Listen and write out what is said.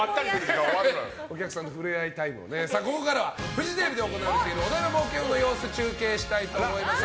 ここからはフジテレビで行われているお台場冒険王の様子を中継したいと思います。